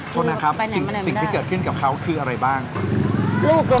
พูดหน่าครับสิ่งที่เกิดขึ้นกับเขาคืออะไรบ้างคือไปไหนไม่ได้